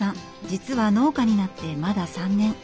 実は農家になってまだ３年。